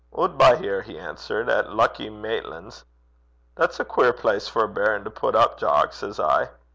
"Oot by here," he answert, "at Luckie Maitlan's." "That's a queer place for a baron to put up, Jock," says I.